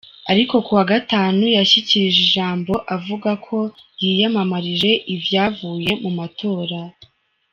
Ariko kuwa gatanu yashikirije ijambo avuga ko yiyamirije ivyavuye mu matora.